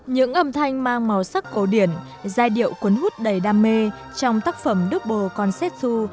những âm thanh mang màu sắc cổ điển giai điệu cuốn hút đầy đam mê trong tác phẩm double concerto